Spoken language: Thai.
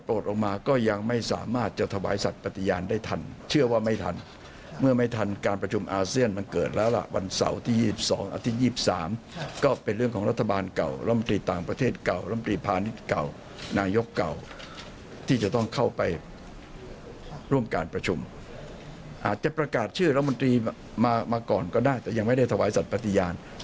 พอหลังวันอาทิตย์ที่๒๓แล้วนั้นก็จะเข้าสู่กระบวนการที่จะขอเข้าเฝ้าเพื่อถวายสัตว์ปฏิญาณ